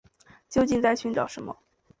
究竟在寻找什么